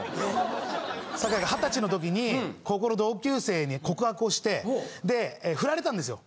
坂井が二十歳のときに高校の同級生に告白をしてでフラれたんですよ。